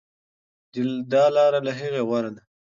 دا لاره له هغې غوره ده.